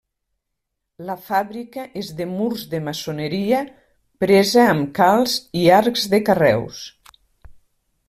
La fàbrica és de murs de maçoneria presa amb calç i arcs de carreus.